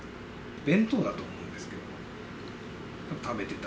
弁当だと思うんですけど、食べていた。